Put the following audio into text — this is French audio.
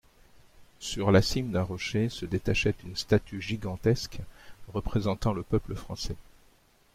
Sur la cime d'un rocher se détachait une statue gigantesque représentant le peuple français.